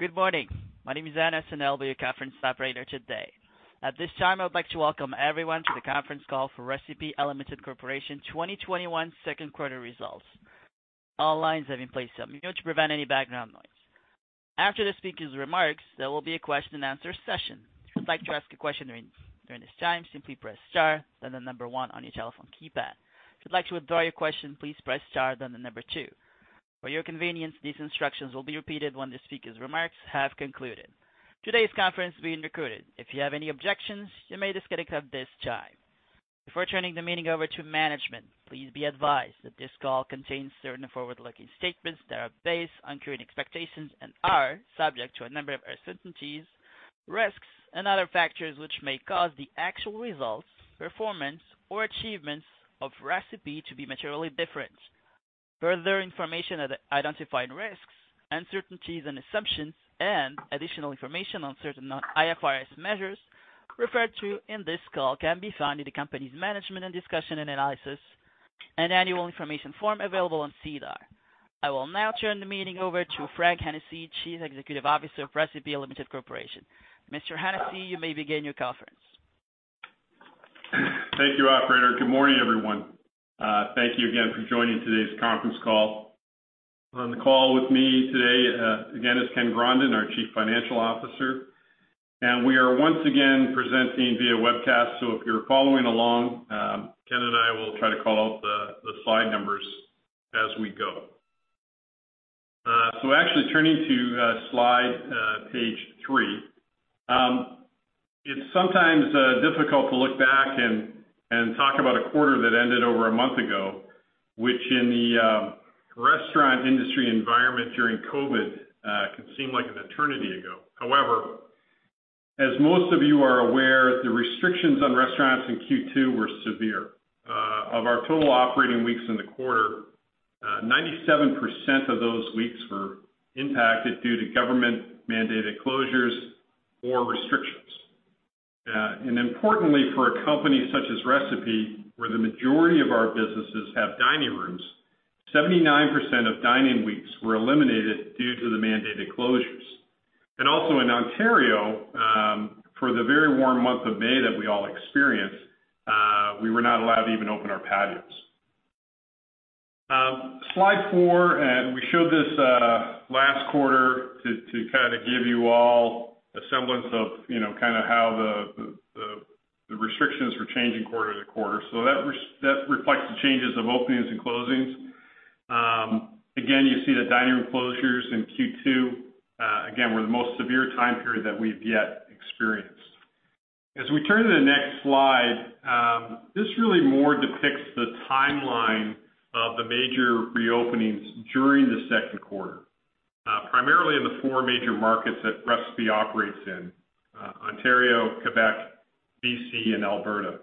Good morning. My name is Anna, and I'll be your conference operator today. At this time, I would like to welcome everyone to the conference call for Recipe Unlimited Corporation 2021 second quarter results. All lines have been placed on mute to prevent any background noise. After the speaker's remarks, there will be a question and answer session. If you'd like to ask a question during this time, simply press star, then the number one on your telephone keypad. If you'd like to withdraw your question, please press star, then the number two. For your convenience, these instructions will be repeated when the speaker's remarks have concluded. Today's conference is being recorded. If you have any objections, you may disconnect at this time. Before turning the meeting over to management, please be advised that this call contains certain forward-looking statements that are based on current expectations and are subject to a number of uncertainties, risks, and other factors which may cause the actual results, performance, or achievements of Recipe to be materially different. Further information of the identifying risks, uncertainties, and assumptions, and additional information on certain non-IFRS measures referred to in this call can be found in the company's Management's Discussion and Analysis, and annual information form available on SEDAR. I will now turn the meeting over to Frank Hennessey, Chief Executive Officer of Recipe Unlimited Corporation. Mr. Hennessey, you may begin your conference. Thank you, operator. Good morning, everyone. Thank you again for joining today's conference call. On the call with me today, again, is Ken Grondin, our Chief Financial Officer. We are once again presenting via webcast, so if you're following along, Ken and I will try to call out the slide numbers as we go. Actually turning to slide page three. It's sometimes difficult to look back and talk about a quarter that ended over a month ago, which in the restaurant industry environment during COVID, can seem like an eternity ago. However, as most of you are aware, the restrictions on restaurants in Q2 were severe. Of our total operating weeks in the quarter, 97% of those weeks were impacted due to government-mandated closures or restrictions. Importantly, for a company such as Recipe, where the majority of our businesses have dining rooms, 79% of dine-in weeks were eliminated due to the mandated closures. Also in Ontario, for the very warm month of May that we all experienced, we were not allowed to even open our patios. Slide four, we showed this last quarter to kind of give you all a semblance of how the restrictions were changing quarter-to-quarter. That reflects the changes of openings and closings. Again, you see the dining room closures in Q2, again, were the most severe time period that we've yet experienced. As we turn to the next slide, this really more depicts the timeline of the major reopenings during the second quarter. Primarily in the four major markets that Recipe operates in, Ontario, Quebec, BC, and Alberta.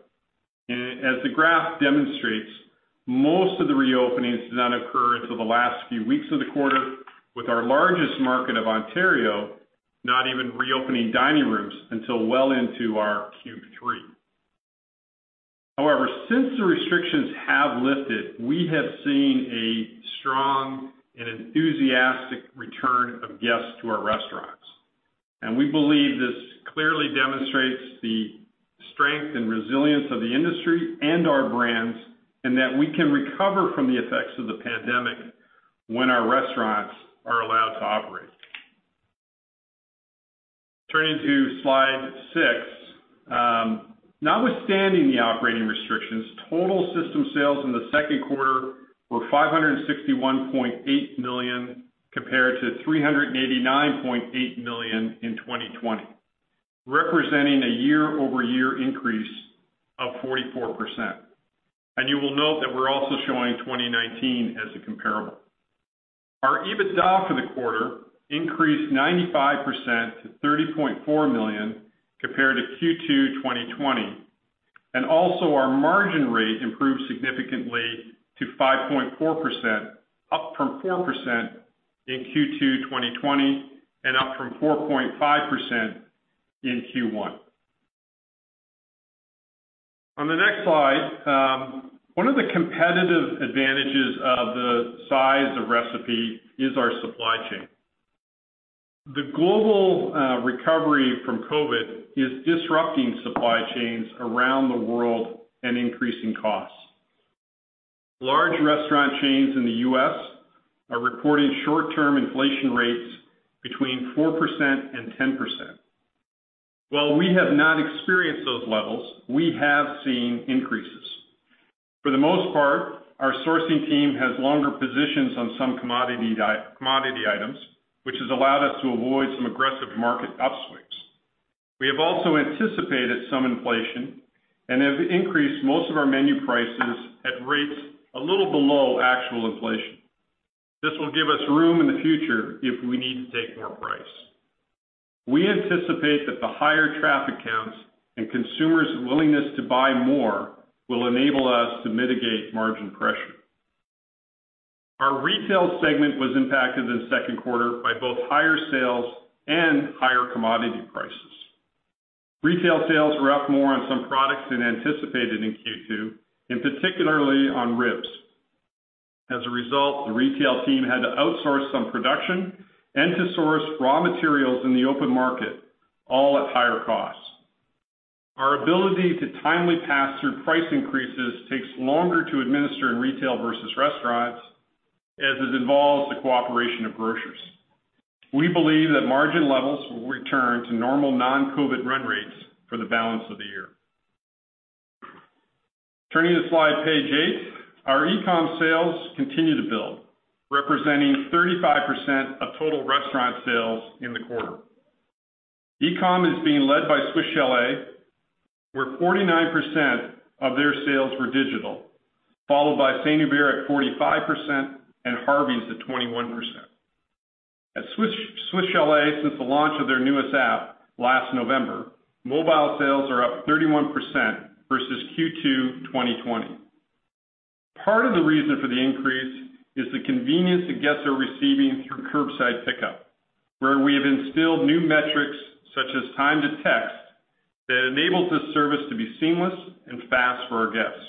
As the graph demonstrates, most of the reopenings did not occur until the last few weeks of the quarter, with our largest market of Ontario not even reopening dining rooms until well into our Q3. However, since the restrictions have lifted, we have seen a strong and enthusiastic return of guests to our restaurants. We believe this clearly demonstrates the strength and resilience of the industry and our brands, and that we can recover from the effects of the pandemic when our restaurants are allowed to operate. Turning to slide six. Notwithstanding the operating restrictions, total system sales in the second quarter were 561.8 million compared to 389.8 million in 2020, representing a year-over-year increase of 44%. You will note that we're also showing 2019 as a comparable. Our EBITDA for the quarter increased 95% to 30.4 million compared to Q2 2020. Also, our margin rate improved significantly to 5.4%, up from 4% in Q2 2020 and up from 4.5% in Q1. On the next slide, one of the competitive advantages of the size of Recipe is our supply chain. The global recovery from COVID is disrupting supply chains around the world and increasing costs. Large restaurant chains in the U.S. are reporting short-term inflation rates between 4% and 10%. While we have not experienced those levels, we have seen increases. For the most part, our sourcing team has longer positions on some commodity items, which has allowed us to avoid some aggressive market upswings. We have also anticipated some inflation and have increased most of our menu prices at rates a little below actual inflation. This will give us room in the future if we need to take more price. We anticipate that the higher traffic counts and consumers' willingness to buy more will enable us to mitigate margin pressure. Our retail segment was impacted this second quarter by both higher sales and higher commodity prices. Retail sales were up more on some products than anticipated in Q2, and particularly on ribs. As a result, the retail team had to outsource some production and to source raw materials in the open market, all at higher costs. Our ability to timely pass through price increases takes longer to administer in retail versus restaurants, as it involves the cooperation of grocers. We believe that margin levels will return to normal non-COVID-19 run rates for the balance of the year. Turning to slide page eight. Our e-com sales continue to build, representing 35% of total restaurant sales in the quarter. e-com is being led by Swiss Chalet, where 49% of their sales were digital, followed by St-Hubert at 45%, and Harvey's at 21%. At Swiss Chalet, since the launch of their newest app last November, mobile sales are up 31% versus Q2 2020. Part of the reason for the increase is the convenience that guests are receiving through curbside pickup, where we have instilled new metrics such as time to text that enables this service to be seamless and fast for our guests.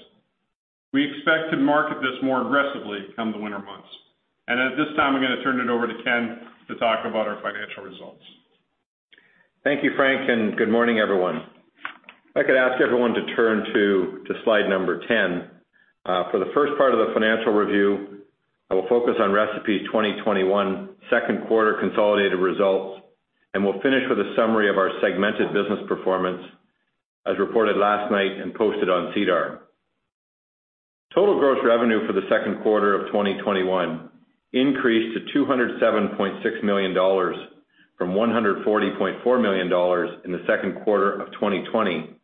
We expect to market this more aggressively come the winter months. At this time, I'm going to turn it over to Ken to talk about our financial results. Thank you, Frank, and good morning, everyone. If I could ask everyone to turn to slide number 10. For the first part of the financial review, I will focus on Recipe 2021 second quarter consolidated results, we'll finish with a summary of our segmented business performance as reported last night and posted on SEDAR. Total gross revenue for the second quarter of 2021 increased to 207.6 million dollars from 140.4 million dollars in the second quarter of 2020,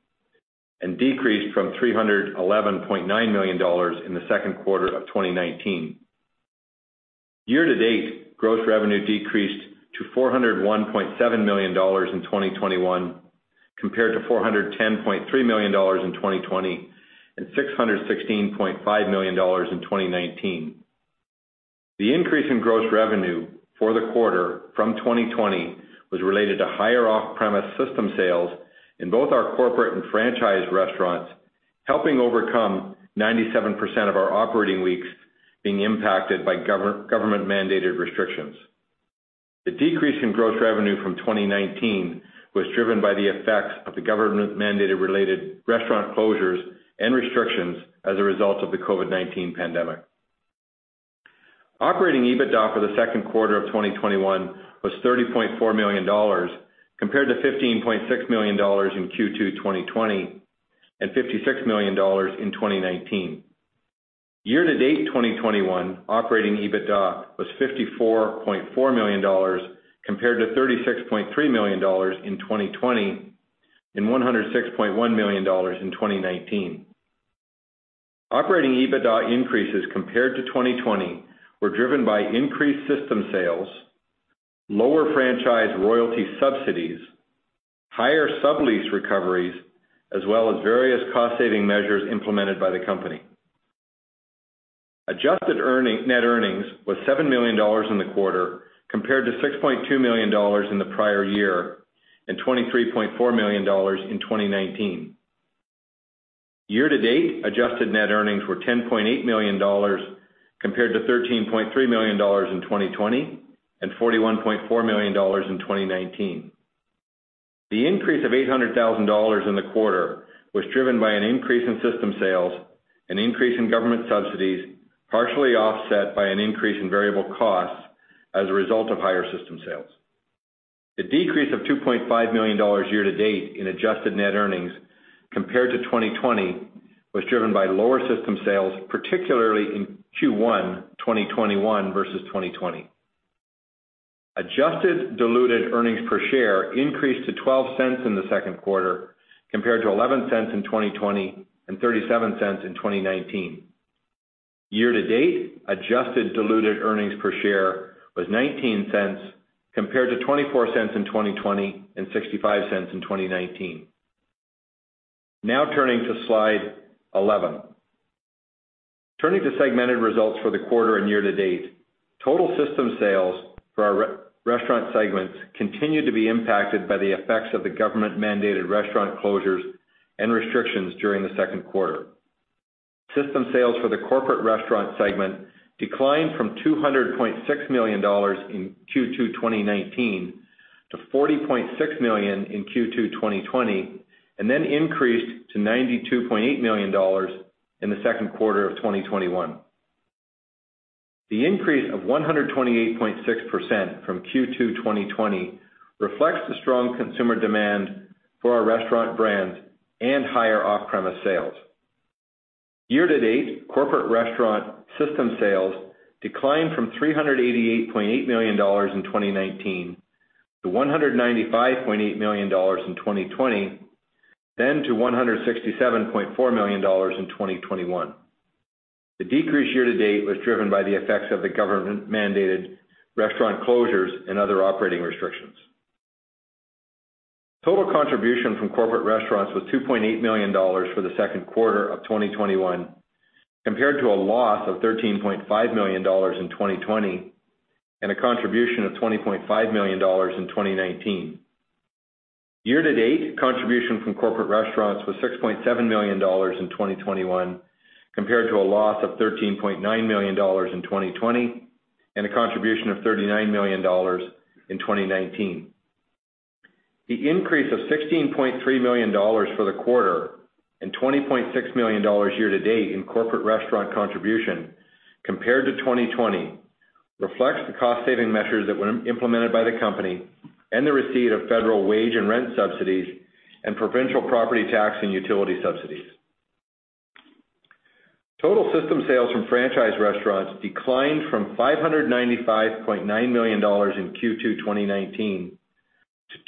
decreased from 311.9 million dollars in the second quarter of 2019. Year-to-date, gross revenue decreased to 401.7 million dollars in 2021 compared to 410.3 million dollars in 2020 and 616.5 million dollars in 2019. The increase in gross revenue for the quarter from 2020 was related to higher off-premise system sales in both our corporate and franchise restaurants, helping overcome 97% of our operating weeks being impacted by government-mandated restrictions. The decrease in gross revenue from 2019 was driven by the effects of the government mandated related restaurant closures and restrictions as a result of the COVID-19 pandemic. Operating EBITDA for the second quarter of 2021 was 30.4 million dollars, compared to 15.6 million dollars in Q2 2020 and 56 million dollars in 2019. Year-to-date 2021 operating EBITDA was 54.4 million dollars, compared to 36.3 million dollars in 2020 and 106.1 million dollars in 2019. Operating EBITDA increases compared to 2020 were driven by increased system sales, lower franchise royalty subsidies, higher sublease recoveries, as well as various cost-saving measures implemented by the company. Adjusted net earnings was 7 million dollars in the quarter compared to 6.2 million dollars in the prior year and 23.4 million dollars in 2019. Year-to-date adjusted net earnings were 10.8 million dollars compared to 13.3 million dollars in 2020 and 41.4 million dollars in 2019. The increase of 800,000 dollars in the quarter was driven by an increase in system sales, an increase in government subsidies, partially offset by an increase in variable costs as a result of higher system sales. The decrease of 2.5 million dollars year-to-date in adjusted net earnings compared to 2020 was driven by lower system sales, particularly in Q1 2021 versus 2020. Adjusted diluted earnings per share increased to 0.12 in the second quarter compared to 0.11 in 2020 and 0.37 in 2019. Year-to-date adjusted diluted earnings per share was 0.19 compared to 0.24 in 2020 and 0.65 in 2019. Now turning to slide 11. Turning to segmented results for the quarter and year-to-date, total system sales for our restaurant segments continued to be impacted by the effects of the government-mandated restaurant closures and restrictions during the second quarter. System sales for the corporate restaurant segment declined from 200.6 million dollars in Q2 2019 to 40.6 million in Q2 2020, and then increased to 92.8 million dollars in the second quarter of 2021. The increase of 128.6% from Q2 2020 reflects the strong consumer demand for our restaurant brands and higher off-premise sales. Year to date, corporate restaurant system sales declined from 388.8 million dollars in 2019 to 195.8 million dollars in 2020, then to 167.4 million dollars in 2021. The decrease year to date was driven by the effects of the government-mandated restaurant closures and other operating restrictions. Total contribution from corporate restaurants was CAD 2.8 million for the second quarter of 2021 compared to a loss of CAD 13.5 million in 2020. A contribution of CAD 20.5 million in 2019. Year to date, contribution from corporate restaurants was CAD 6.7 million in 2021, compared to a loss of CAD 13.9 million in 2020, and a contribution of CAD 39 million in 2019. The increase of 16.3 million dollars for the quarter and 20.6 million dollars year to date in corporate restaurant contribution compared to 2020 reflects the cost-saving measures that were implemented by the company, and the receipt of federal wage and rent subsidies and provincial property tax and utility subsidies. Total system sales from franchise restaurants declined from 595.9 million dollars in Q2 2019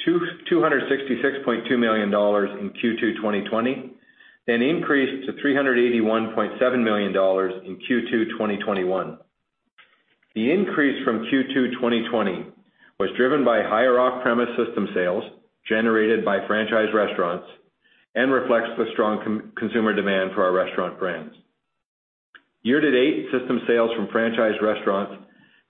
to 266.2 million dollars in Q2 2020, then increased to 381.7 million dollars in Q2 2021. The increase from Q2 2020 was driven by higher off-premise system sales generated by franchise restaurants and reflects the strong consumer demand for our restaurant brands. Year-to-date system sales from franchise restaurants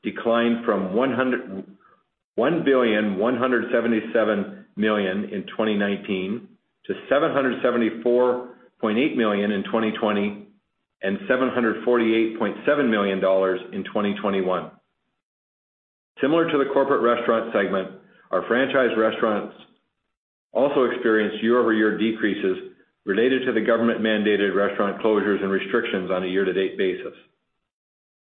declined from 1,177 million in 2019 to 774.8 million in 2020 and 748.7 million dollars in 2021. Similar to the corporate restaurant segment, our franchise restaurants also experienced year-over-year decreases related to the government-mandated restaurant closures and restrictions on a year-to-date basis.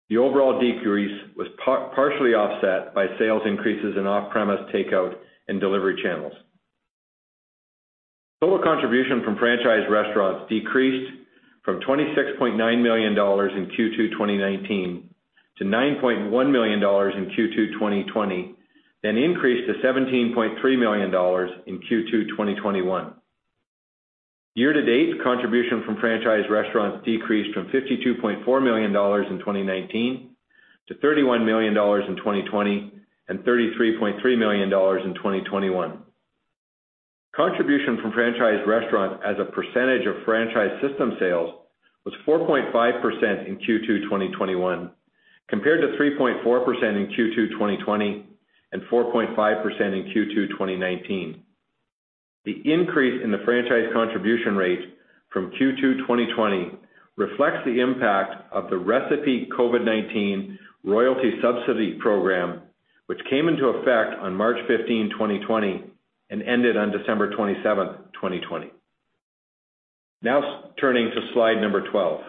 The overall decrease was partially offset by sales increases in off-premise takeout and delivery channels. Total contribution from franchise restaurants decreased from 26.9 million dollars in Q2 2019 to 9.1 million dollars in Q2 2020, then increased to 17.3 million dollars in Q2 2021. Year-to-date, contribution from franchise restaurants decreased from 52.4 million dollars in 2019 to 31 million dollars in 2020 and 33.3 million dollars in 2021. Contribution from franchise restaurants as a percentage of franchise system sales was 4.5% in Q2 2021, compared to 3.4% in Q2 2020 and 4.5% in Q2 2019. The increase in the franchise contribution rate from Q2 2020 reflects the impact of the Recipe COVID-19 Royalty Subsidy Program, which came into effect on March 15, 2020, and ended on December 27, 2020. Now turning to slide number 12.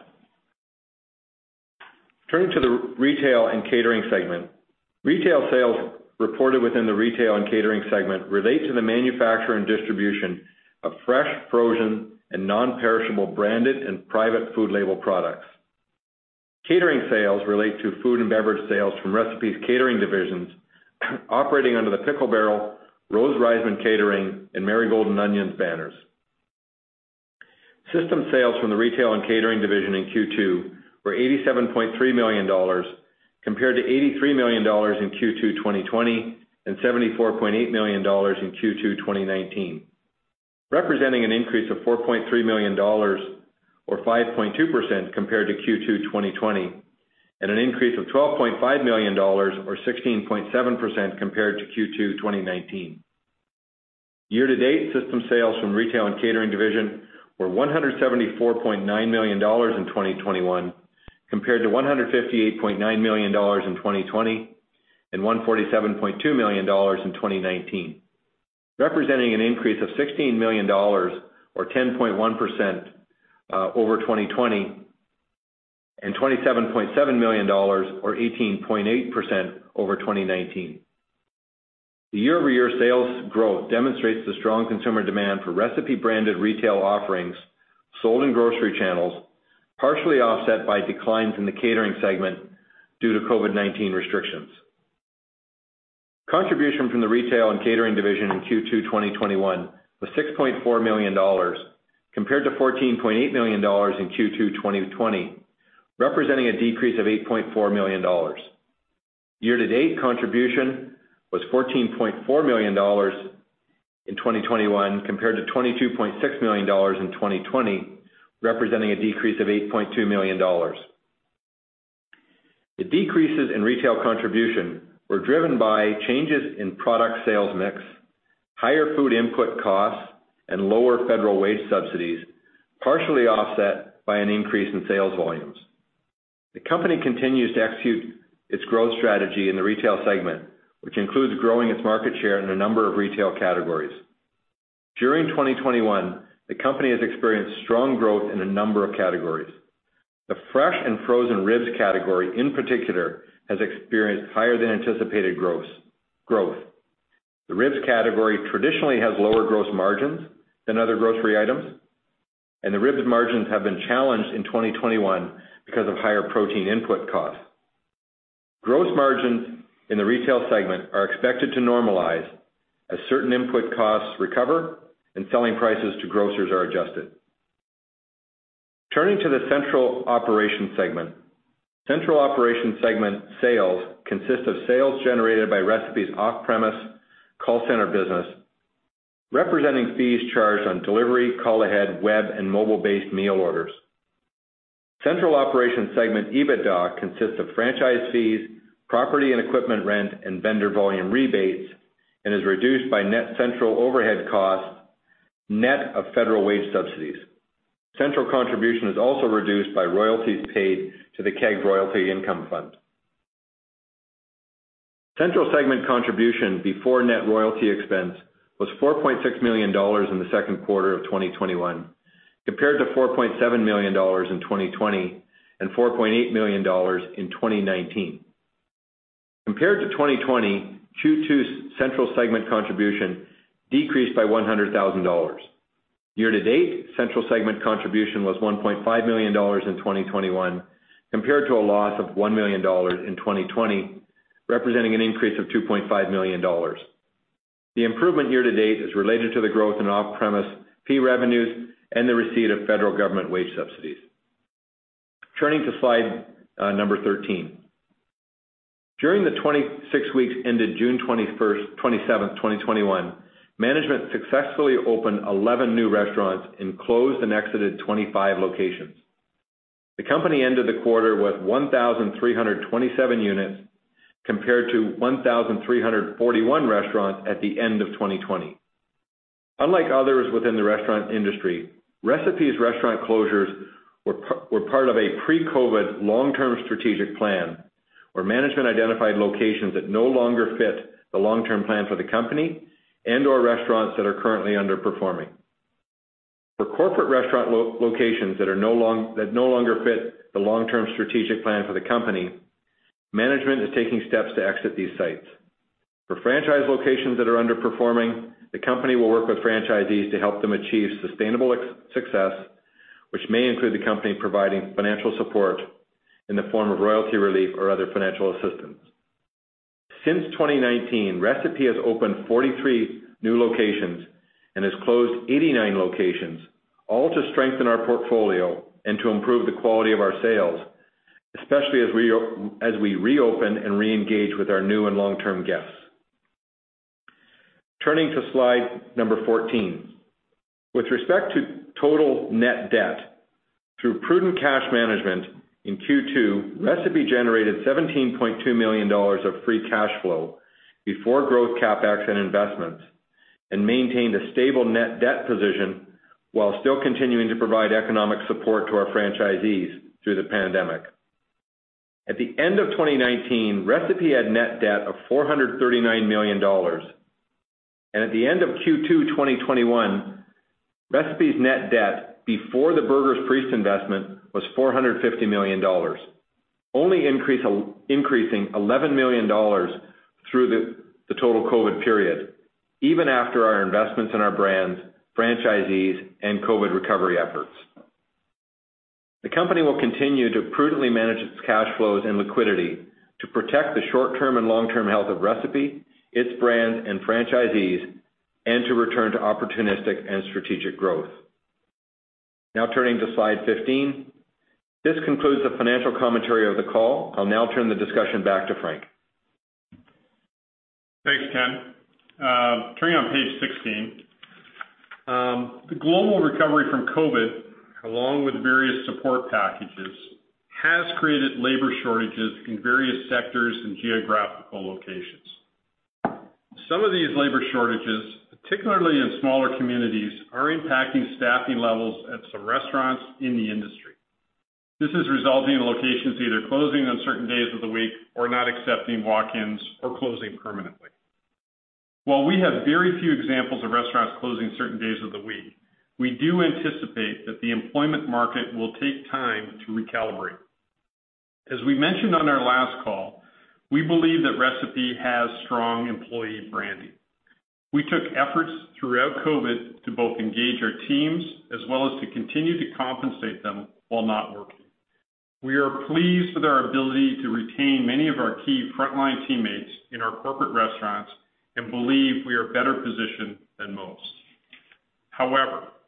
Turning to the Retail and Catering segment. Retail sales reported within the Retail and Catering segment relate to the manufacture and distribution of fresh, frozen, and non-perishable branded and private food label products. Catering sales relate to food and beverage sales from Recipe's catering divisions operating under The Pickle Barrel, Rose Reisman Catering, and Marigolds & Onions banners. System sales from the Retail and Catering division in Q2 were 87.3 million dollars, compared to 83 million dollars in Q2 2020 and 74.8 million dollars in Q2 2019, representing an increase of 4.3 million dollars or 5.2% compared to Q2 2020, and an increase of 12.5 million dollars or 16.7% compared to Q2 2019. Year to date, system sales from retail and catering division were 174.9 million dollars in 2021, compared to 158.9 million dollars in 2020 and 147.2 million dollars in 2019, representing an increase of 16 million dollars or 10.1% over 2020, and 27.7 million dollars or 18.8% over 2019. The year-over-year sales growth demonstrates the strong consumer demand for Recipe-branded retail offerings sold in grocery channels, partially offset by declines in the catering segment due to COVID-19 restrictions. Contribution from the retail and catering division in Q2 2021 was 6.4 million dollars, compared to 14.8 million dollars in Q2 2020, representing a decrease of 8.4 million dollars. Year to date contribution was 14.4 million dollars in 2021, compared to 22.6 million dollars in 2020, representing a decrease of 8.2 million dollars. The decreases in retail contribution were driven by changes in product sales mix, higher food input costs, and lower federal wage subsidies, partially offset by an increase in sales volumes. The company continues to execute its growth strategy in the retail segment, which includes growing its market share in a number of retail categories. During 2021, the company has experienced strong growth in a number of categories. The Fresh and frozen ribs category, in particular, has experienced higher than anticipated growth. The ribs category traditionally has lower gross margins than other grocery items, and the ribs margins have been challenged in 2021 because of higher protein input costs. Gross margins in the retail segment are expected to normalize as certain input costs recover and selling prices to grocers are adjusted. Turning to the central operation segment. Central operation segment sales consist of sales generated by Recipe's off-premise call center business, representing fees charged on delivery, call ahead, web, and mobile-based meal orders. Central operation segment EBITDA consists of franchise fees, property and equipment rent, and vendor volume rebates, and is reduced by net central overhead costs, net of federal wage subsidies. Central contribution is also reduced by royalties paid to The Keg Royalties Income Fund. Central segment contribution before net royalty expense was 4.6 million dollars in the second quarter of 2021, compared to 4.7 million dollars in 2020 and 4.8 million dollars in 2019. Compared to 2020, Q2's central segment contribution decreased by 100,000 dollars. Year to date, central segment contribution was 1.5 million dollars in 2021 compared to a loss of 1 million dollars in 2020, representing an increase of 2.5 million dollars. The improvement year-to-date is related to the growth in off-premise fee revenues and the receipt of federal government wage subsidies. Turning to slide number 13. During the 26 weeks ended June 27th, 2021, management successfully opened 11 new restaurants and closed and exited 25 locations. The company ended the quarter with 1,327 units compared to 1,341 restaurants at the end of 2020. Unlike others within the restaurant industry, Recipe's restaurant closures were part of a pre-COVID long-term strategic plan where management identified locations that no longer fit the long-term plan for the company and/or restaurants that are currently underperforming. For corporate restaurant locations that no longer fit the long-term strategic plan for the company, management is taking steps to exit these sites. For franchise locations that are underperforming, the company will work with franchisees to help them achieve sustainable success, which may include the company providing financial support in the form of royalty relief or other financial assistance. Since 2019, Recipe has opened 43 new locations and has closed 89 locations, all to strengthen our portfolio and to improve the quality of our sales, especially as we reopen and re-engage with our new and long-term guests. Turning to slide number 14. With respect to total net debt, through prudent cash management in Q2, Recipe generated 17.2 million dollars of free cash flow before growth CapEx and investments, and maintained a stable net debt position while still continuing to provide economic support to our franchisees through the pandemic. At the end of 2019, Recipe had net debt of 439 million dollars. At the end of Q2 2021, Recipe's net debt before The Burger's Priest investment was 450 million dollars, only increasing 11 million dollars through the total COVID period, even after our investments in our brands, franchisees, and COVID recovery efforts. The company will continue to prudently manage its cash flows and liquidity to protect the short-term and long-term health of Recipe, its brands and franchisees, and to return to opportunistic and strategic growth. Turning to slide 15. This concludes the financial commentary of the call. I'll turn the discussion back to Frank. Thanks, Ken. Turning on page 16. The global recovery from COVID, along with various support packages, has created labor shortages in various sectors and geographical locations. Some of these labor shortages, particularly in smaller communities, are impacting staffing levels at some restaurants in the industry. This is resulting in locations either closing on certain days of the week or not accepting walk-ins or closing permanently. While we have very few examples of restaurants closing certain days of the week, we do anticipate that the employment market will take time to recalibrate. As we mentioned on our last call, we believe that Recipe has strong employee branding. We took efforts throughout COVID to both engage our teams as well as to continue to compensate them while not working. We are pleased with our ability to retain many of our key frontline teammates in our corporate restaurants and believe we are better positioned than most.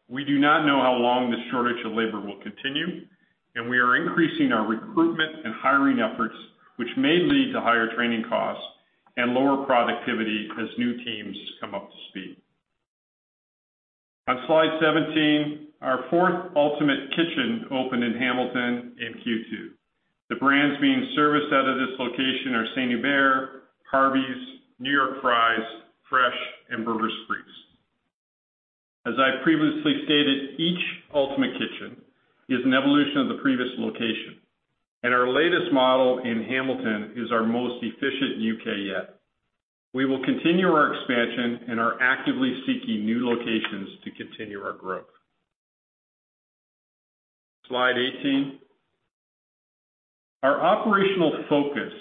We do not know how long this shortage of labor will continue, and we are increasing our recruitment and hiring efforts, which may lead to higher training costs and lower productivity as new teams come up to speed. On slide 17, our fourth Ultimate Kitchen opened in Hamilton in Q2. The brands being serviced out of this location are St-Hubert, Harvey's, New York Fries, Fresh, and Burger's Priest. As I previously stated, each Ultimate Kitchen is an evolution of the previous location, and our latest model in Hamilton is our most efficient UK yet. We will continue our expansion and are actively seeking new locations to continue our growth. Slide 18. Our operational focus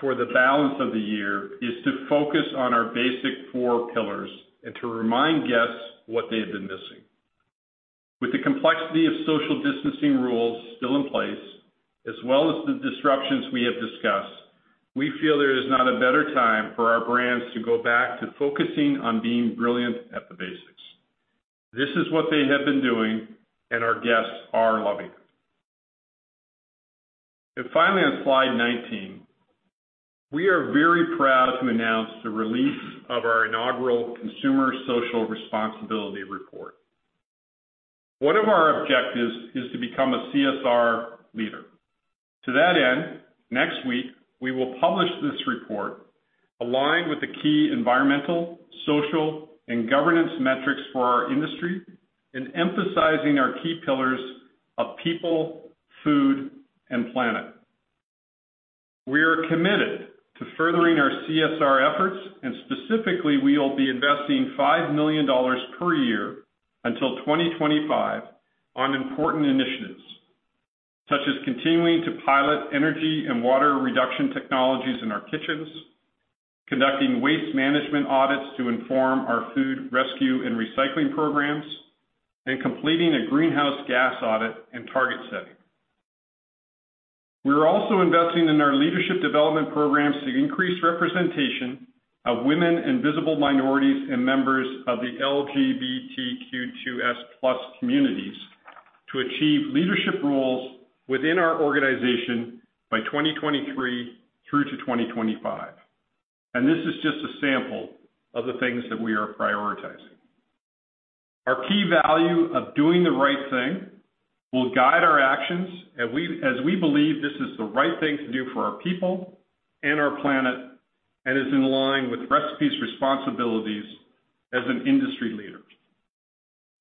for the balance of the year is to focus on our basic four pillars and to remind guests what they have been missing. With the complexity of social distancing rules still in place, as well as the disruptions we have discussed, we feel there is not a better time for our brands to go back to focusing on being brilliant at the basics. This is what they have been doing, and our guests are loving it. Finally, on slide 19, we are very proud to announce the release of our inaugural Corporate Social Responsibility Report. One of our objectives is to become a CSR leader. To that end, next week, we will publish this report, aligned with the key environmental, social, and governance metrics for our industry, and emphasizing our key pillars of people, food, and planet. We are committed to furthering our CSR efforts. Specifically, we will be investing 5 million dollars per year until 2025 on important initiatives, such as continuing to pilot energy and water reduction technologies in our kitchens, conducting waste management audits to inform our food rescue and recycling programs, and completing a greenhouse gas audit and target setting. We are also investing in our leadership development programs to increase representation of women and visible minorities and members of the LGBTQ2S+ communities to achieve leadership roles within our organization by 2023 through to 2025. This is just a sample of the things that we are prioritizing. Our key value of doing the right thing will guide our actions, as we believe this is the right thing to do for our people and our planet, and is in line with Recipe's responsibilities as an industry leader.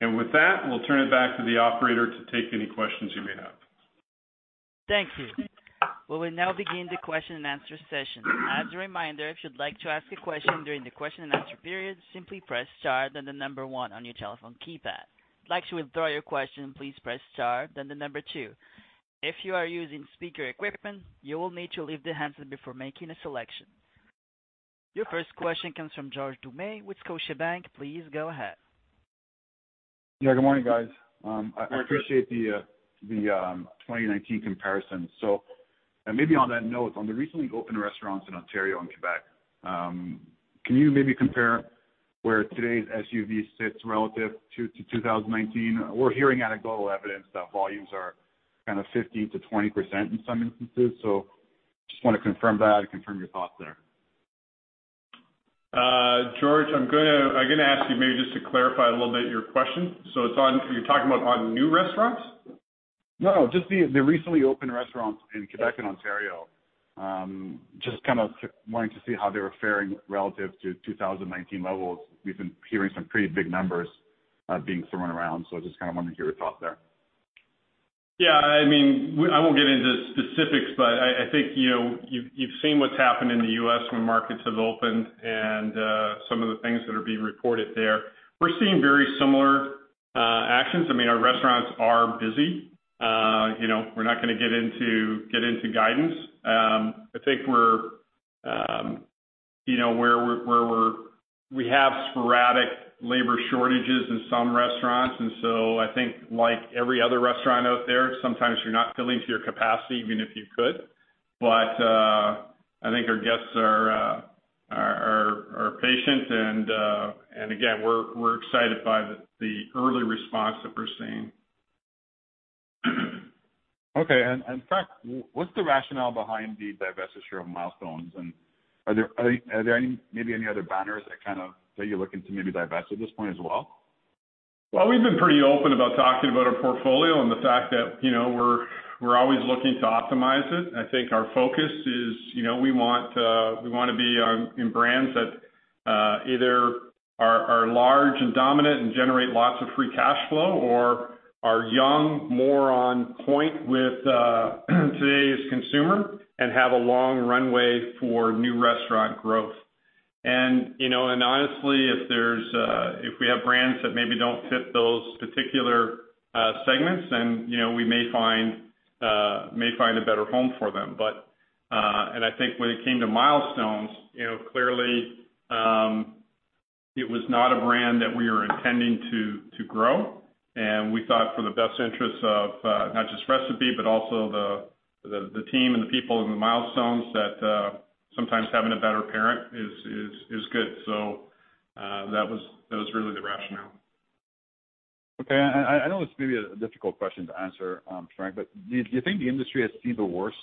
With that, we'll turn it back to the operator to take any questions you may have. Thank you. We will now begin the question and answer session. As a reminder, if you'd like to ask a question during the question and answer period, simply press star, then the number 1 on your telephone keypad. If you'd like to withdraw your question, please press star, then the number 2. If you are using speaker equipment, you will need to leave the handset before making a selection. Your first question comes from George Doumet with Scotiabank. Please go ahead. Yeah, good morning, guys. Good morning. I appreciate the 2019 comparison. Maybe on that note, on the recently opened restaurants in Ontario and Quebec, can you maybe compare where today's AUV sits relative to 2019? We're hearing anecdotal evidence that volumes are 15%-20% in some instances, so just want to confirm that and confirm your thoughts there. George, I'm going to ask you maybe just to clarify a little bit your question. You're talking about on new restaurants? No, just the recently opened restaurants in Quebec and Ontario. Just kind of wanting to see how they were faring relative to 2019 levels. We've been hearing some pretty big numbers being thrown around. I just kind of wanted to hear your thoughts there. Yeah. I won't get into specifics, I think you've seen what's happened in the U.S. when markets have opened and some of the things that are being reported there. We're seeing very similar actions. Our restaurants are busy. We're not going to get into guidance. I think we have sporadic labor shortages in some restaurants, I think like every other restaurant out there, sometimes you're not filling to your capacity even if you could. I think our guests are patient and again, we're excited by the early response that we're seeing. Okay. Frank, what's the rationale behind the divestiture of Milestones? Are there maybe any other banners that you're looking to maybe divest at this point as well? Well, we've been pretty open about talking about our portfolio and the fact that we're always looking to optimize it. I think our focus is we want to be in brands that either are large and dominant and generate lots of free cash flow or are young, more on point with today's consumer, and have a long runway for new restaurant growth. Honestly, if we have brands that maybe don't fit those particular segments, then we may find a better home for them. I think when it came to Milestones, clearly it was not a brand that we were intending to grow, and we thought for the best interests of not just Recipe, but also the team and the people in the Milestones, that sometimes having a better parent is good. That was really the rationale. Okay. I know this may be a difficult question to answer, Frank, do you think the industry has seen the worst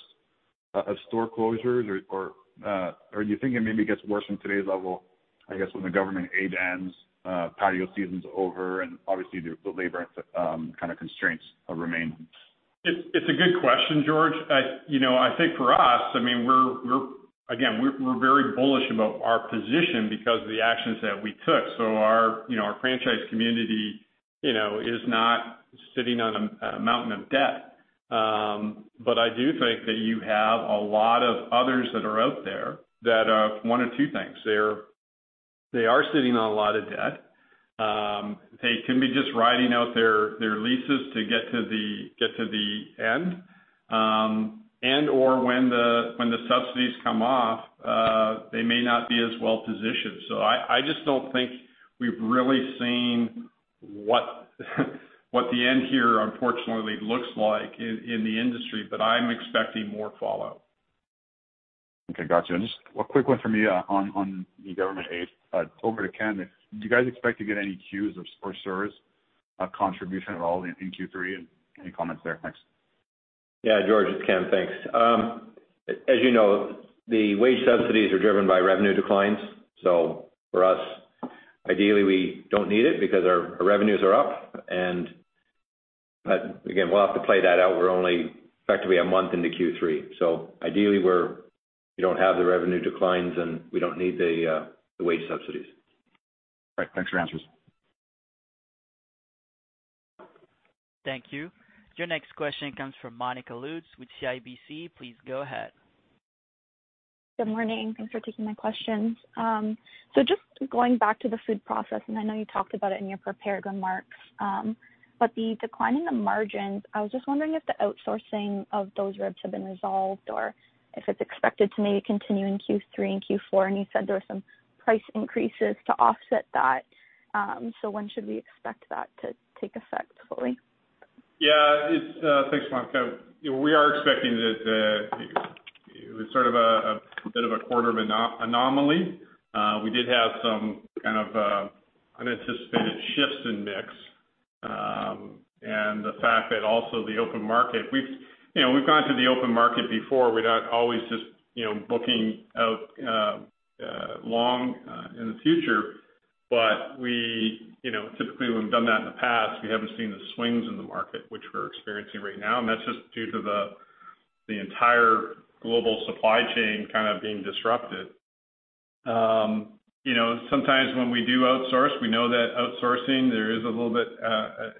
of store closures, or do you think it maybe gets worse from today's level, I guess, when the government aid ends, patio season's over, and obviously the labor kind of constraints remain? It's a good question, George. I think for us, again, we're very bullish about our position because of the actions that we took. Our franchise community is not sitting on a mountain of debt. I do think that you have a lot of others that are out there that are one of two things. They are sitting on a lot of debt. They can be just riding out their leases to get to the end, and/or when the subsidies come off, they may not be as well positioned. I just don't think we've really seen what the end here, unfortunately, looks like in the industry, but I'm expecting more fallout. Okay, got you. Just a quick one from me on the government aid. Over to Canada, do you guys expect to get any CEWS or CERS contribution at all in Q3, and any comments there? Thanks. Yeah, George, it's Ken. Thanks. As you know, the wage subsidies are driven by revenue declines. For us, ideally, we don't need it because our revenues are up, and again, we'll have to play that out. We're only effectively a month into Q3, so ideally we don't have the revenue declines, and we don't need the wage subsidies. Right. Thanks for your answers. Thank you. Your next question comes from Monica Lutz with CIBC. Please go ahead. Good morning. Thanks for taking my questions. Just going back to the food process, and I know you talked about it in your prepared remarks, but the decline in the margins, I was just wondering if the outsourcing of those ribs have been resolved or if it's expected to maybe continue in Q3 and Q4. You said there were some price increases to offset that. When should we expect that to take effect fully? Yeah. Thanks, Monica. We are expecting that it was sort of a bit of a quarter of anomaly. We did have some kind of unanticipated shifts in mix. We've gone to the open market before. We're not always just booking out long in the future. Typically, when we've done that in the past, we haven't seen the swings in the market which we're experiencing right now, and that's just due to the entire global supply chain kind of being disrupted. Sometimes when we do outsource, we know that outsourcing, there is a little bit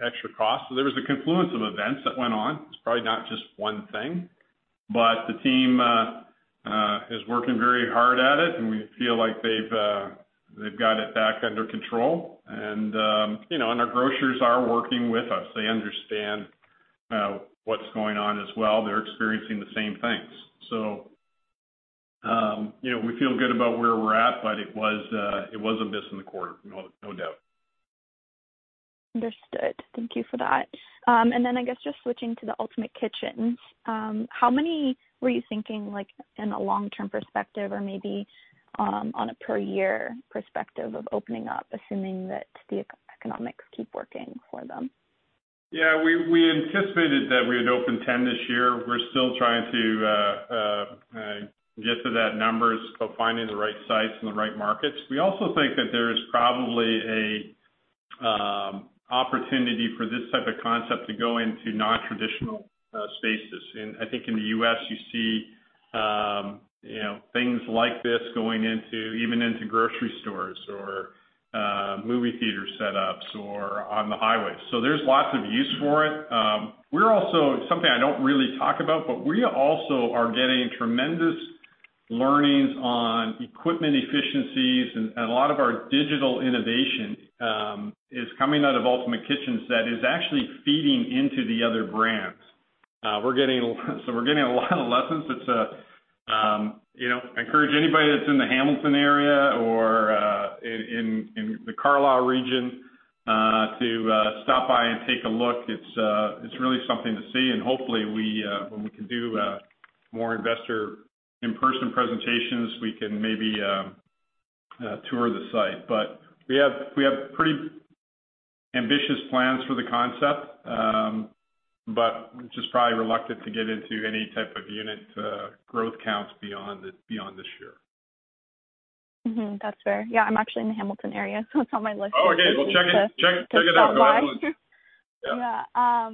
extra cost. There was a confluence of events that went on. It's probably not just one thing. The team is working very hard at it, and we feel like they've got it back under control. Our grocers are working with us. They understand what's going on as well. They're experiencing the same things. We feel good about where we're at, but it was a miss in the quarter, no doubt. Understood. Thank you for that. I guess, just switching to the Ultimate Kitchens. How many were you thinking in a long-term perspective or maybe on a per year perspective of opening up, assuming that the economics keep working for them? Yeah, we anticipated that we would open 10 this year. We're still trying to get to that number, finding the right sites and the right markets. We also think that there is probably an opportunity for this type of concept to go into non-traditional spaces. I think in the U.S. you see things like this going even into grocery stores or movie theater setups or on the highway. There's lots of use for it. Something I don't really talk about. We also are getting tremendous learnings on equipment efficiencies, and a lot of our digital innovation is coming out of Ultimate Kitchens that is actually feeding into the other brands. We're getting a lot of lessons. I encourage anybody that's in the Hamilton area or in the Carlisle region to stop by and take a look. It's really something to see, and hopefully, when we can do more investor in-person presentations, we can maybe tour the site. We have pretty ambitious plans for the concept. Just probably reluctant to get into any type of unit growth counts beyond this year. That's fair. Yeah, I'm actually in the Hamilton area, so it's on my list. Oh, okay. Well. to stop by. Yeah. Yeah.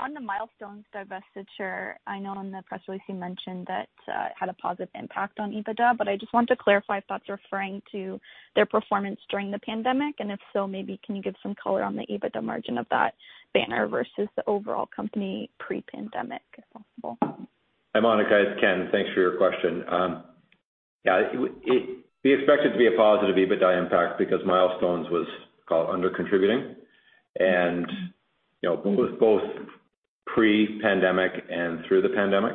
On the Milestones divestiture, I know on the press release you mentioned that it had a positive impact on EBITDA, but I just want to clarify if that's referring to their performance during the pandemic. If so, maybe can you give some color on the EBITDA margin of that banner versus the overall company pre-pandemic, if possible? Hi, Monica. It's Ken. Thanks for your question. Yeah, we expect it to be a positive EBITDA impact because Milestones was under-contributing. Both pre-pandemic and through the pandemic.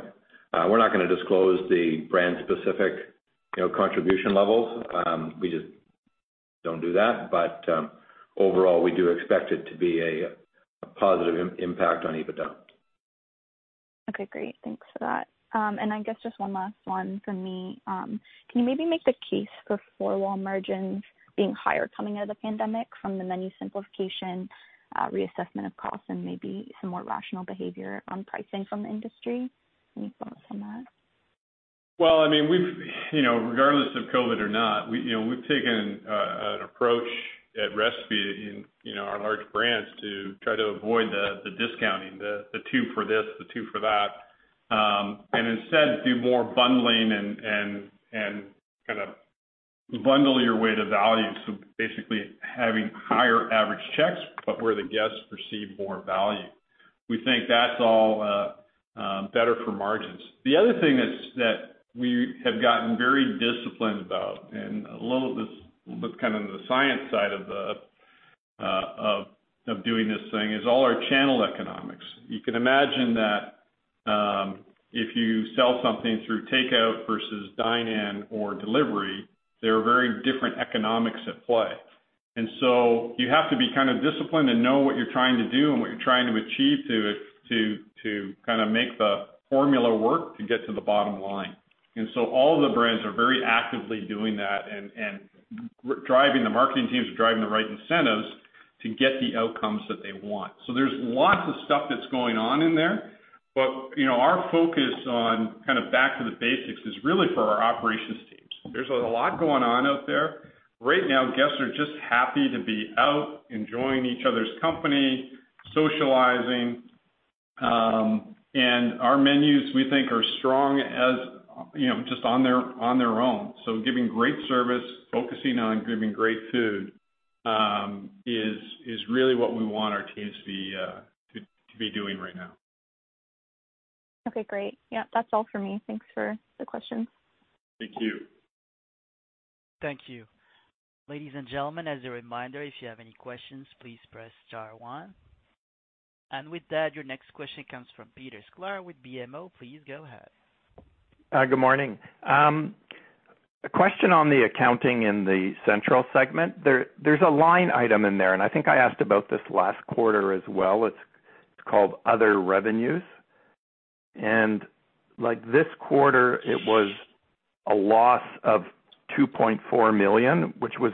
We're not going to disclose the brand specific contribution levels. We just don't do that. Overall, we do expect it to be a positive impact on EBITDA. Okay, great. Thanks for that. I guess just one last one from me. Can you maybe make the case for four-wall margins being higher coming out of the pandemic from the menu simplification, reassessment of costs, and maybe some more rational behavior on pricing from the industry? Any thoughts on that? Well, regardless of COVID or not, we've taken an approach at Recipe in our large brands to try to avoid the discounting, the two for this, the two for that, and instead do more bundling and kind of bundle your way to value. Basically having higher average checks, but where the guests perceive more value. We think that's all better for margins. The other thing that we have gotten very disciplined about, and a little of this was kind of the science side of doing this thing, is all our channel economics. You can imagine that if you sell something through takeout versus dine in or delivery, there are very different economics at play. You have to be kind of disciplined and know what you're trying to do and what you're trying to achieve to kind of make the formula work to get to the bottom line. All the brands are very actively doing that and driving the marketing teams, driving the right incentives to get the outcomes that they want. There's lots of stuff that's going on in there. Our focus on kind of back to the basics is really for our operations teams. There's a lot going on out there. Right now, guests are just happy to be out, enjoying each other's company, socializing. Our menus, we think, are strong just on their own. Giving great service, focusing on giving great food, is really what we want our teams to be doing right now. Okay, great. Yeah, that's all for me. Thanks for the questions. Thank you. Thank you. Ladies and gentlemen, as a reminder, if you have any questions, please press star one. With that, your next question comes from Peter Sklar with BMO. Please go ahead. Hi. Good morning. A question on the accounting in the central segment. There's a line item in there, I think I asked about this last quarter as well. It's called other revenues. Like, this quarter, it was a loss of 2.4 million, which was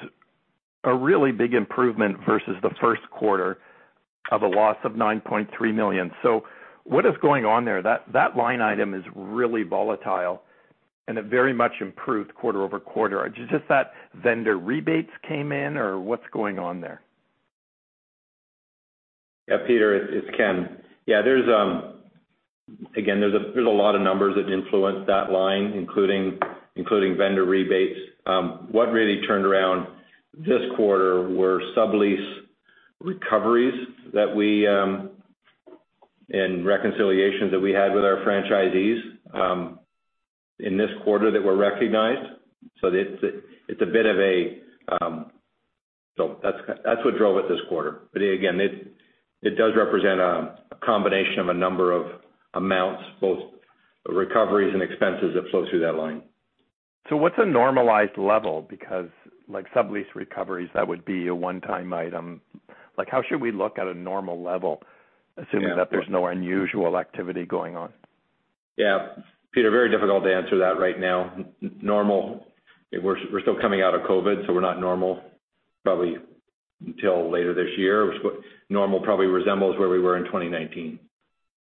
a really big improvement versus the first quarter of a loss of 9.3 million. What is going on there? That line item is really volatile, it very much improved quarter-over-quarter. Just that vendor rebates came in, or what's going on there? Yeah, Peter, it's Ken. Yeah. There's a lot of numbers that influence that line, including vendor rebates. What really turned around this quarter were sublease recoveries and reconciliations that we had with our franchisees in this quarter that were recognized. That's what drove it this quarter. Again, it does represent a combination of a number of amounts, both recoveries and expenses that flow through that line. What's a normalized level? Like, sublease recoveries, that would be a one-time item. Like, how should we look at a normal level, assuming that there's no unusual activity going on? Yeah. Peter, very difficult to answer that right now. Normal, we're still coming out of COVID, so we're not normal probably until later this year. Normal probably resembles where we were in 2019.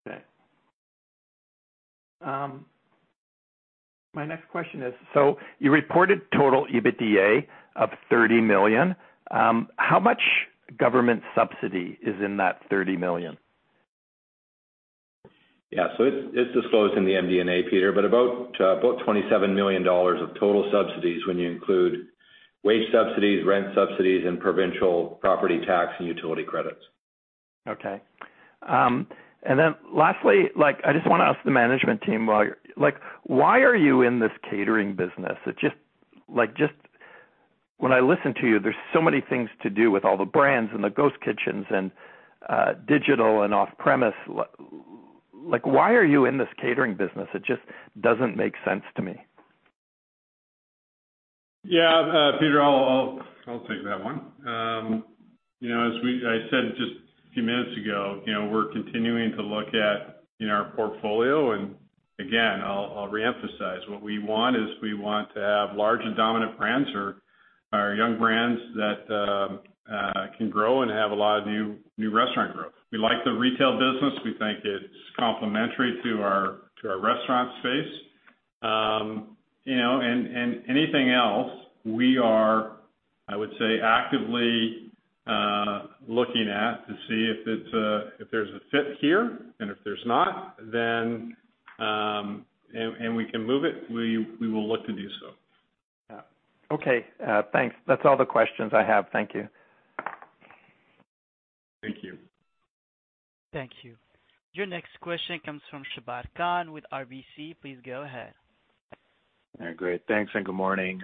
Okay. My next question is, you reported total EBITDA of 30 million. How much government subsidy is in that 30 million? It's disclosed in the MD&A, Peter, but about 27 million dollars of total subsidies when you include wage subsidies, rent subsidies, and provincial property tax and utility credits. Okay. Lastly, I just want to ask the management team, why are you in this catering business? When I listen to you, there's so many things to do with all the brands and the ghost kitchens and digital and off-premise. Why are you in this catering business? It just doesn't make sense to me. Yeah. Peter, I'll take that one. As I said just a few minutes ago, we're continuing to look at our portfolio, and again, I'll reemphasize. What we want is we want to have large and dominant brands or young brands that can grow and have a lot of new restaurant growth. We like the retail business. We think it's complementary to our restaurant space. Anything else, we are, I would say, actively looking at to see if there's a fit here, and if there's not and we can move it, we will look to do so. Yeah. Okay, thanks. That's all the questions I have. Thank you. Thank you. Thank you. Your next question comes from Sabahat Khan with RBC. Please go ahead. Great. Thanks, good morning.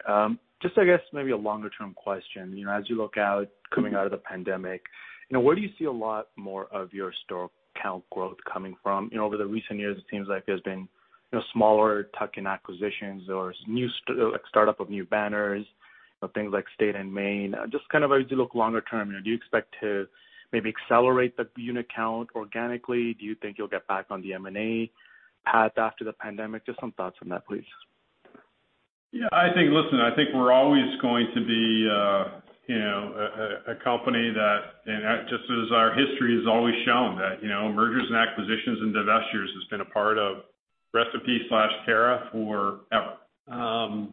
Just, I guess maybe a longer-term question. As you look out coming out of the pandemic, where do you see a lot more of your store count growth coming from? Over the recent years, it seems like there's been smaller tuck-in acquisitions or like startup of new banners, things like State & Main. Just kind of as you look longer term, do you expect to maybe accelerate the unit count organically? Do you think you'll get back on the M&A path after the pandemic? Just some thoughts on that, please. Yeah. Listen, I think we're always going to be a company that, just as our history has always shown, that mergers and acquisitions and divestitures has been a part of Recipe/Cara forever.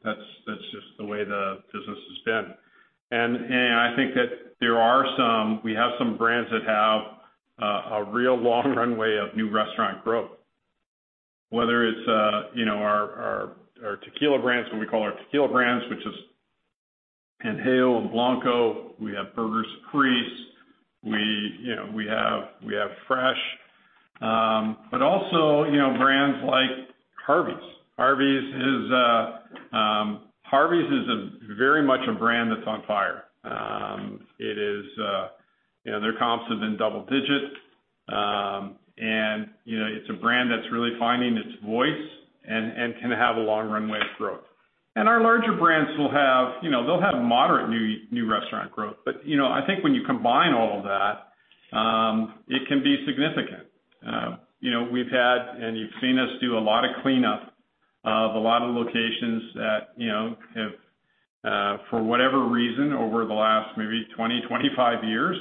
That's just the way the business has been. I think that we have some brands that have a real long runway of new restaurant growth, whether it's our tequila brands, what we call our tequila brands, which is Añejo and Blanco. We have The Burger's Priest, we have Fresh. Also, brands like Harvey's. Harvey's is very much a brand that's on fire. Their comps have been double-digit, and it's a brand that's really finding its voice and can have a long runway of growth. Our larger brands will have moderate new restaurant growth. I think when you combine all of that, it can be significant. We've had, and you've seen us do a lot of cleanup of a lot of locations that have, for whatever reason, over the last maybe 20, 25 years,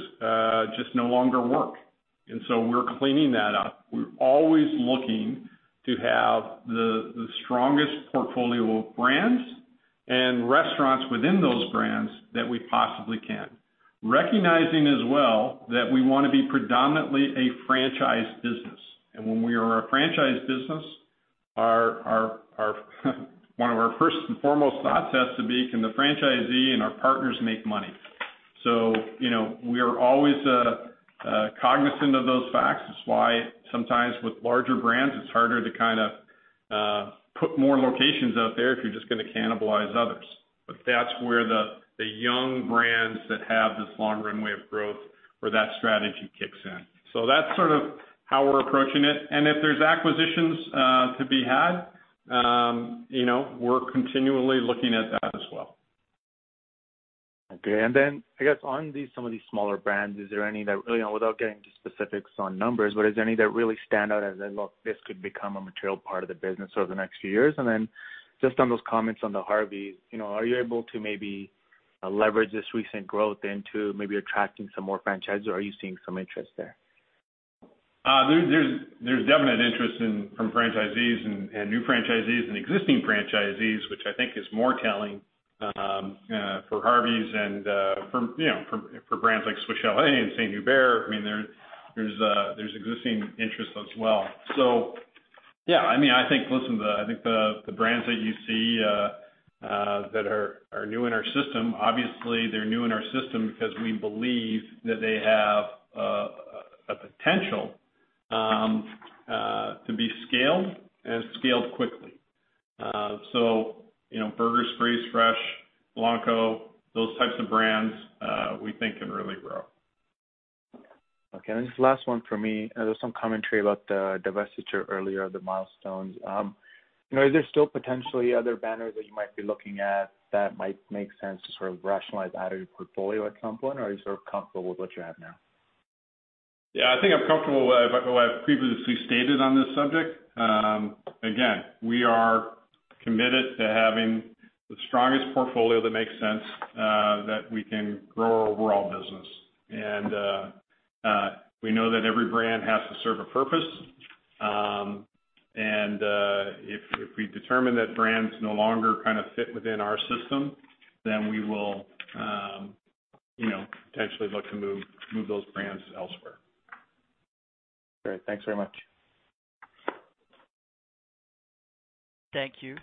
just no longer work. We're cleaning that up. We're always looking to have the strongest portfolio of brands and restaurants within those brands that we possibly can, recognizing as well that we want to be predominantly a franchise business. When we are a franchise business, one of our first and foremost thoughts has to be, can the franchisee and our partners make money? We are always cognizant of those facts. That's why sometimes with larger brands, it's harder to put more locations out there if you're just going to cannibalize others. That's where the young brands that have this long runway of growth, where that strategy kicks in. That's sort of how we're approaching it. If there's acquisitions to be had, we're continually looking at that as well. Okay, I guess on some of these smaller brands, is there any that, really without getting into specifics on numbers, but is there any that really stand out as like, this could become a material part of the business over the next few years? Just on those comments on the Harvey's, are you able to maybe leverage this recent growth into maybe attracting some more franchises, or are you seeing some interest there? There's definite interest from franchisees and new franchisees and existing franchisees, which I think is more telling for Harvey's and for brands like Swiss Chalet and St-Hubert. There's existing interest as well. Yeah, I think the brands that you see that are new in our system, obviously they're new in our system because we believe that they have a potential to be scaled and scaled quickly. Burger's Priest, Fresh, Blanco, those types of brands, we think can really grow. Okay, this is the last one from me. There was some commentary about the divestiture earlier, the Milestones. Is there still potentially other banners that you might be looking at that might make sense to sort of rationalize out of your portfolio at some point, or are you sort of comfortable with what you have now? Yeah, I think I'm comfortable with what I've previously stated on this subject. Again, we are committed to having the strongest portfolio that makes sense, that we can grow our overall business. We know that every brand has to serve a purpose. If we determine that brand's no longer fit within our system, then we will potentially look to move those brands elsewhere. Great. Thanks very much. Thank you.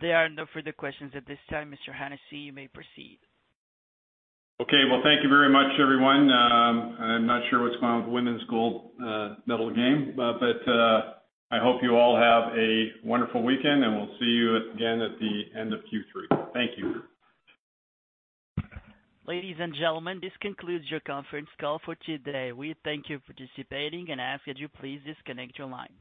There are no further questions at this time. Mr. Hennessey, you may proceed. Okay. Well, thank you very much, everyone. I'm not sure what's going on with the women's gold medal game, but I hope you all have a wonderful weekend, and we'll see you again at the end of Q3. Thank you. Ladies and gentlemen, this concludes your conference call for today. We thank you for participating and ask that you please disconnect your line.